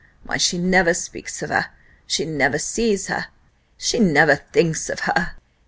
Why she never speaks of her she never sees her she never thinks of her!"